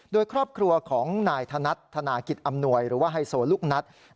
โดยครอบครัวของนายธนัตริย์ธนากิจอำนวยหรือว่าไฮโซลุคนัตริย์